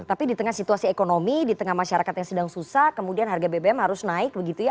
tapi di tengah situasi ekonomi di tengah masyarakat yang sedang susah kemudian harga bbm harus naik begitu ya